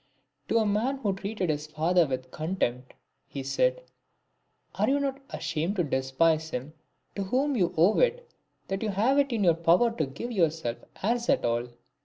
'7 To a man who treated his father with contempt, he said, "Are you not ashamed to despise him to whom you owe it that you have it in your power to give yourself airs at all